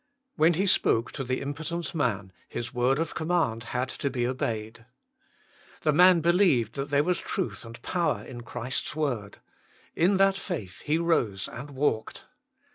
When He spoke to the impotent man His word of command had to be obeyed. The man believed that there was truth and power in Christ s word ; in that faith he rose and walked.